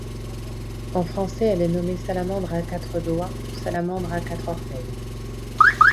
En français elle est nommée Salamandre à quatre doigts ou Salamandre à quatre orteils.